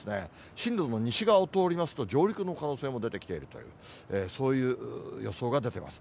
進路の西側を通りましても、上陸の可能性も出てきているという、そういう予想が出てます。